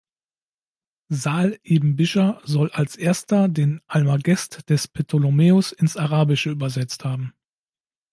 Sahl ibn Bischr soll als erster den Almagest des Ptolemäus ins Arabische übersetzt haben.